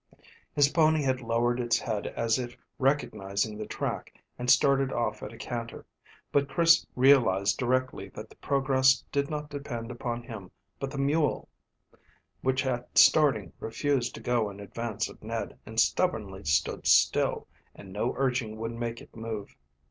His pony had lowered its head as if recognising the track and started off at a canter; but Chris realised directly that the progress did not depend upon him but the mule, which at starting refused to go in advance of Ned, and stubbornly stood still, and no urging would make it move.